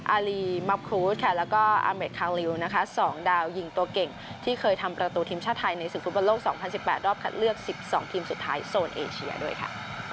อารีมับครูสค่ะแล้วก็อาเมดคางลิวนะคะ๒ดาวยิงตัวเก่งที่เคยทำประตูทีมชาติไทยในศึกฟุตบอลโลก๒๐๑๘รอบคัดเลือก๑๒ทีมสุดท้ายโซนเอเชียด้วยค่ะ